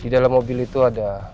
di dalam mobil itu ada